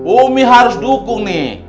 oh mih harus dukung nih